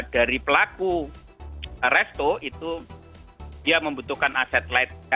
dari pelaku resto itu dia membutuhkan aset light